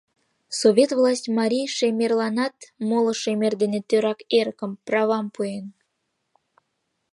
Совет власть марий шемерланат моло шемер дене тӧрак эрыкым, правам пуэн.